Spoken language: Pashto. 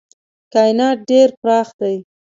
کاینات ډېر پراخ دي.